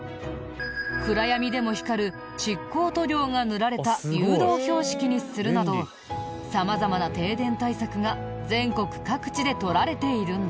暗闇でも光る蓄光塗料が塗られた誘導標識にするなど様々な停電対策が全国各地でとられているんだ。